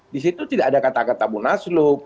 di situ tidak ada kata kata munaslup